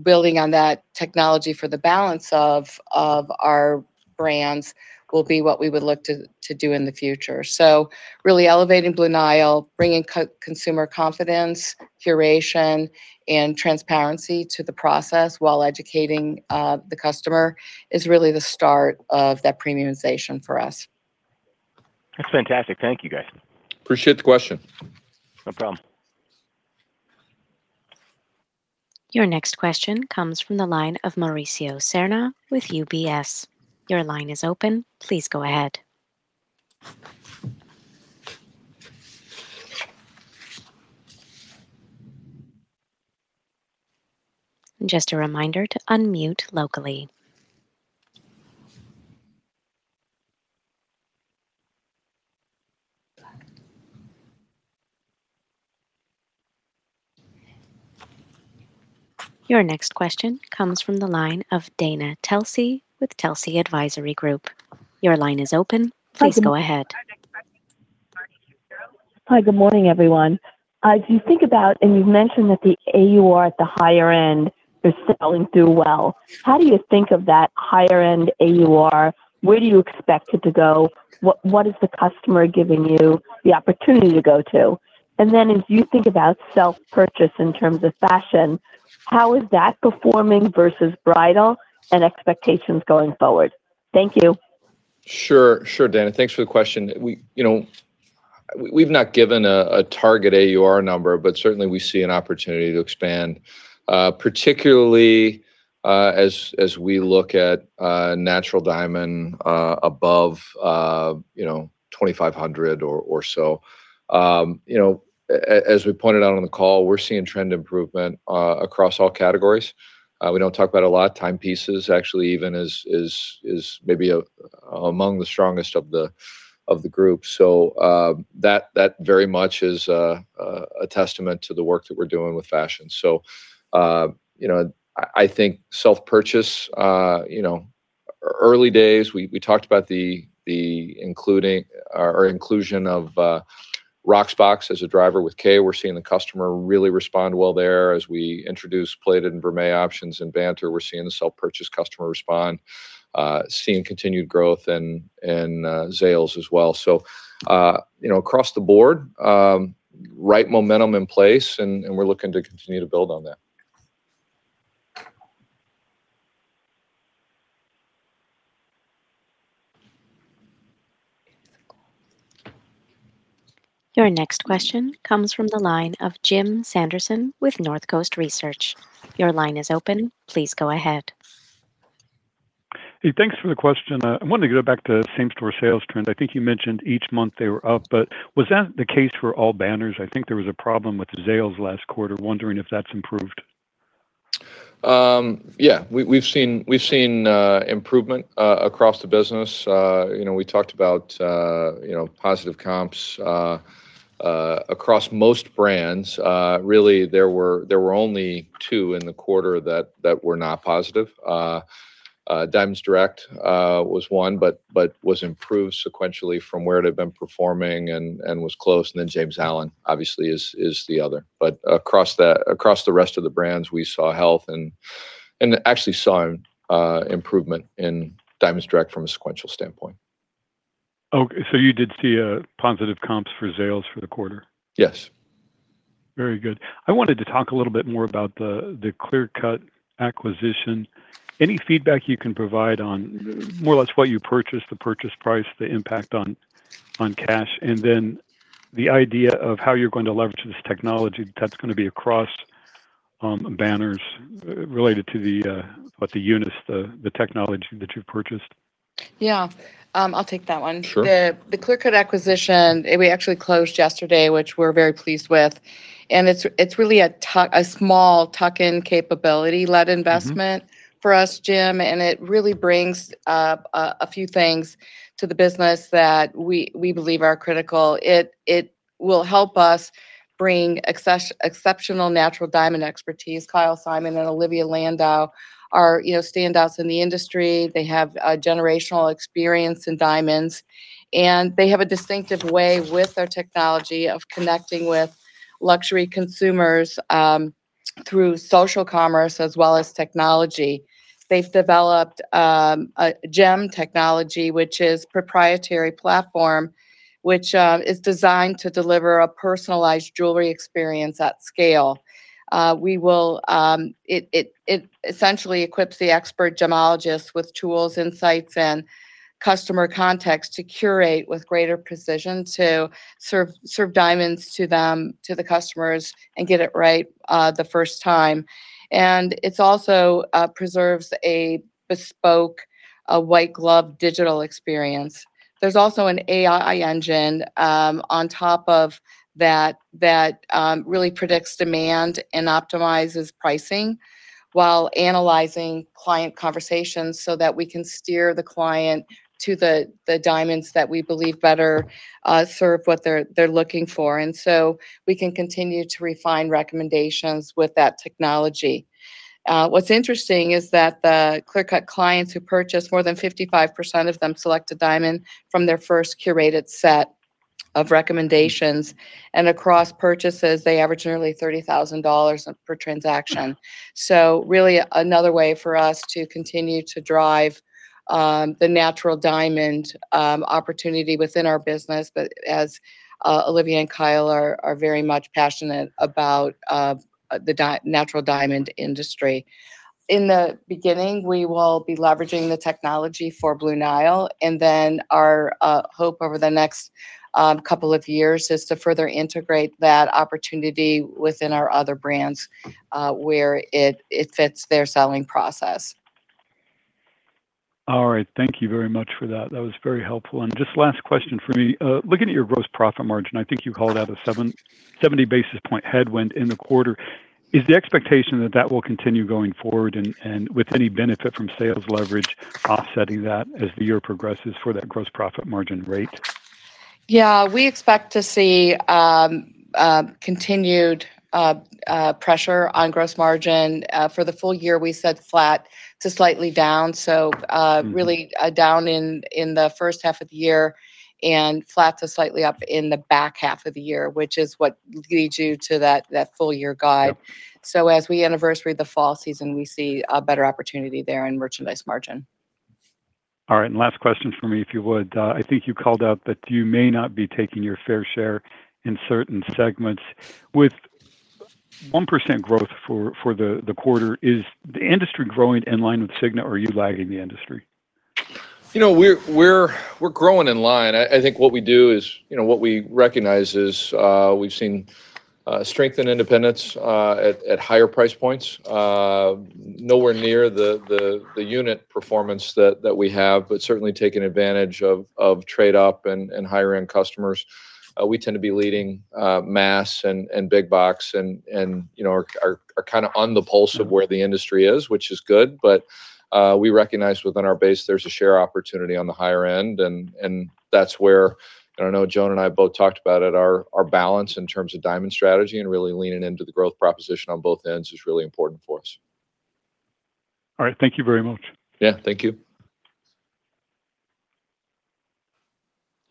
Building on that technology for the balance of our brands will be what we would look to do in the future. Really elevating Blue Nile, bringing consumer confidence, curation, and transparency to the process while educating the customer is really the start of that premiumization for us. That's fantastic. Thank you, guys. Appreciate the question. No problem. Your next question comes from the line of Mauricio Serna with UBS. Your line is open. Please go ahead. Just a reminder to unmute locally. Your next question comes from the line of Dana Telsey with Telsey Advisory Group. Your line is open. Please go ahead. Hi, good morning, everyone. As you think about, and you've mentioned that the AUR at the higher end is selling through well, how do you think of that higher-end AUR? Where do you expect it to go? What is the customer giving you the opportunity to go to? As you think about self-purchase in terms of fashion, how is that performing versus bridal and expectations going forward? Thank you. Sure, Dana. Thanks for the question. We've not given a target AUR number, but certainly we see an opportunity to expand, particularly as we look at natural diamond above $2,500 or so. As we pointed out on the call, we're seeing trend improvement across all categories. We don't talk about a lot, timepieces actually even is maybe among the strongest of the group. That very much is a testament to the work that we're doing with fashion. I think self-purchase, early days, we talked about our inclusion of Rocksbox as a driver with Kay, we're seeing the customer really respond well there. As we introduce plated and vermeil options in Banter, we're seeing the self-purchase customer respond, seeing continued growth in Zales as well. Across the board, right momentum in place, and we're looking to continue to build on that. Your next question comes from the line of Jim Sanderson with Northcoast Research. Your line is open. Please go ahead. Hey, thanks for the question. I wanted to go back to same-store sales trends. I think you mentioned each month they were up, but was that the case for all banners? I think there was a problem with the Zales last quarter. Wondering if that's improved? Yeah. We've seen improvement across the business. We talked about positive comps across most brands. Really, there were only two in the quarter that were not positive. Diamonds Direct was one, but was improved sequentially from where it had been performing and was close. James Allen, obviously is the other. Across the rest of the brands, we saw health and actually saw an improvement in Diamonds Direct from a sequential standpoint. Okay, you did see a positive comps for Zales for the quarter? Yes. Very good. I wanted to talk a little bit more about the Clear Cut acquisition. Any feedback you can provide on more or less why you purchased, the purchase price, the impact on cash, and then the idea of how you're going to leverage this technology that's going to be across banners related to the units, the technology that you've purchased? Yeah. I'll take that one. Sure. The Clear Cut acquisition, we actually closed yesterday, which we're very pleased with. It's really a small tuck-in capability-led investment for us, Jim. It really brings a few things to the business that we believe are critical. It will help us bring exceptional natural diamond expertise. Kyle Simon and Olivia Landau are standouts in the industry. They have generational experience in diamonds. They have a distinctive way with their technology of connecting with luxury consumers through social commerce as well as technology. They've developed a GEM technology, which is proprietary platform, which is designed to deliver a personalized jewelry experience at scale. It essentially equips the expert gemologist with tools, insights, and customer context to curate with greater precision to serve diamonds to them, to the customers, get it right the first time. It also preserves a bespoke, a white glove digital experience. There's also an AI engine on top of that that really predicts demand and optimizes pricing while analyzing client conversations so that we can steer the client to the diamonds that we believe better serve what they're looking for. We can continue to refine recommendations with that technology. What's interesting is that the Clear Cut clients who purchase, more than 55% of them select a diamond from their first curated set of recommendations. Across purchases, they average nearly $30,000 per transaction. Really another way for us to continue to drive the natural diamond opportunity within our business, but as Olivia and Kyle are very much passionate about the natural diamond industry. In the beginning, we will be leveraging the technology for Blue Nile, and then our hope over the next couple of years is to further integrate that opportunity within our other brands, where it fits their selling process. All right. Thank you very much for that. That was very helpful. Just last question from me. Looking at your gross profit margin, I think you called out a 70 basis point headwind in the quarter. Is the expectation that that will continue going forward, and with any benefit from sales leverage offsetting that as the year progresses for that gross profit margin rate? Yeah, we expect to see continued pressure on gross margin. For the full year, we said flat to slightly down, so really down in the first half of the year and flat to slightly up in the back half of the year, which is what leads you to that full year guide. Yep. As we anniversary the fall season, we see a better opportunity there in merchandise margin. All right. Last question from me, if you would. I think you called out that you may not be taking your fair share in certain segments. With 1% growth for the quarter, is the industry growing in line with Signet or are you lagging the industry? We're growing in line. I think what we do is, what we recognize is, we've seen strength and independence at higher price points. Nowhere near the unit performance that we have, but certainly taking advantage of trade-up and higher-end customers. We tend to be leading mass and big box and are kind of on the pulse of where the industry is, which is good. We recognize within our base there's a share opportunity on the higher end, and that's where, I know Joan and I both talked about it, our balance in terms of diamond strategy and really leaning into the growth proposition on both ends is really important for us. All right. Thank you very much. Yeah. Thank you.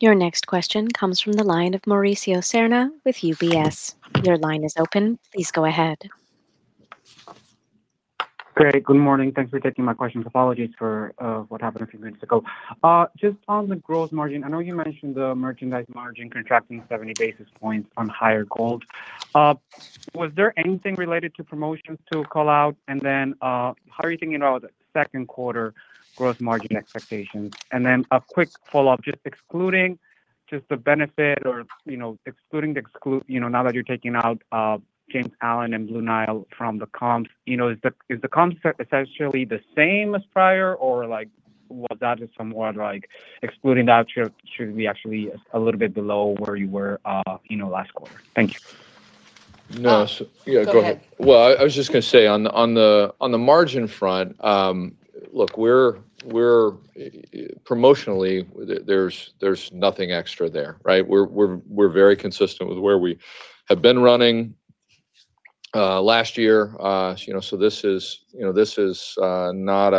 Your next question comes from the line of Mauricio Serna with UBS. Your line is open. Please go ahead. Great. Good morning. Thanks for taking my questions. Apologies for what happened a few minutes ago. Just on the gross margin, I know you mentioned the merchandise margin contracting 70 basis points on higher gold. Was there anything related to promotions to call out? How are you thinking about the second quarter gross margin expectations? A quick follow-up, just excluding the benefit or excluding the exclude, now that you're taking out James Allen and Blue Nile from the comps, is the comps essentially the same as prior or was that just somewhat like excluding that should be actually a little bit below where you were last quarter? Thank you. No. Go ahead. Go ahead. I was just going to say on the margin front, look, promotionally, there's nothing extra there, right? We're very consistent with where we have been running last year. This is not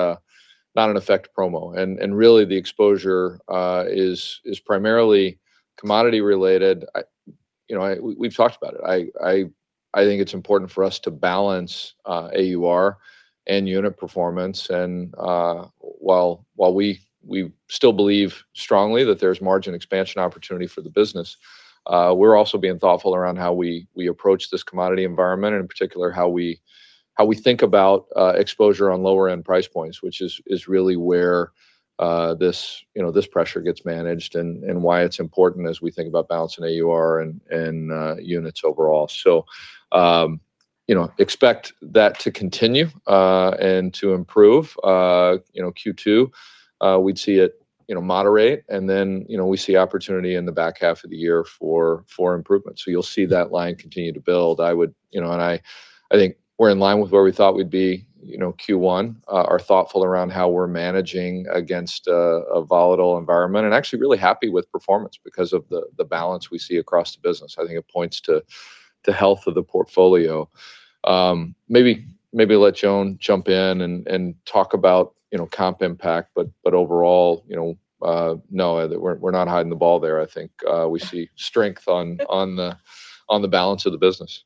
an effect promo, and really the exposure is primarily commodity-related. We've talked about it. I think it's important for us to balance AUR and unit performance. While we still believe strongly that there's margin expansion opportunity for the business, we're also being thoughtful around how we approach this commodity environment, and in particular, how we think about exposure on lower-end price points, which is really where this pressure gets managed and why it's important as we think about balancing AUR and units overall. Expect that to continue, and to improve. Q2, we'd see it moderate, and then we see opportunity in the back half of the year for improvement. You'll see that line continue to build. I think we're in line with where we thought we'd be Q1. We are thoughtful around how we're managing against a volatile environment. Actually really happy with performance because of the balance we see across the business. I think it points to the health of the portfolio. Maybe let Joan jump in and talk about comp impact, but overall, no, we're not hiding the ball there. I think we see strength on the balance of the business.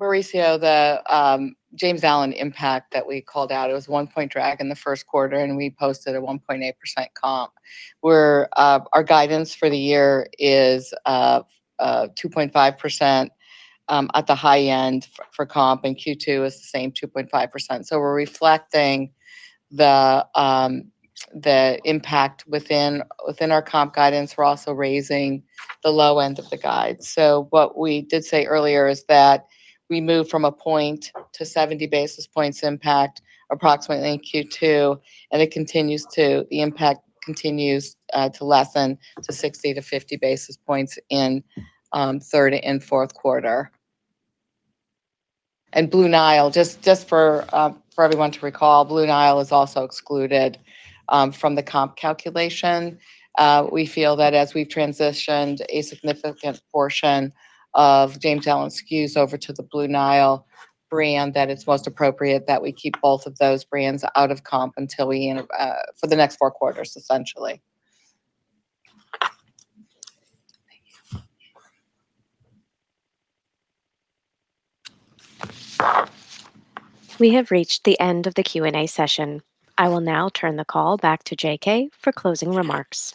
Mauricio, the James Allen impact that we called out, it was one point drag in the first quarter, and we posted a 1.8% comp, where our guidance for the year is 2.5% at the high end for comp, and Q2 is the same, 2.5%. We're reflecting the impact within our comp guidance. We're also raising the low end of the guide. What we did say earlier is that we moved from a point to 70 basis points impact approximately in Q2, and the impact continues to lessen to 60-50 basis points in third and fourth quarter. Blue Nile, just for everyone to recall, Blue Nile is also excluded from the comp calculation. We feel that as we've transitioned a significant portion of James Allen SKUs over to the Blue Nile brand, that it's most appropriate that we keep both of those brands out of comp for the next four quarters, essentially. Thank you. We have reached the end of the Q&A session. I will now turn the call back to J.K. for closing remarks.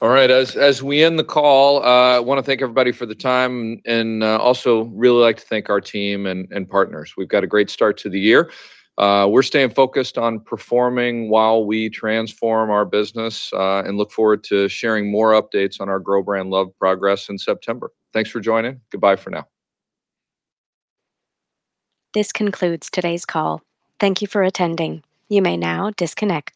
All right. As we end the call, I want to thank everybody for the time and also really like to thank our team and partners. We've got a great start to the year. We're staying focused on performing while we transform our business and look forward to sharing more updates on our Grow Brand Love progress in September. Thanks for joining. Goodbye for now. This concludes today's call. Thank you for attending. You may now disconnect.